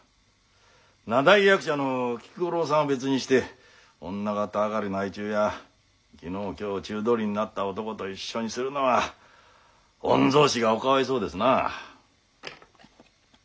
名題役者の菊五郎さんは別にして女形上がりの相中や昨日今日中通りになった男と一緒にするのは御曹司がおかわいそうですな。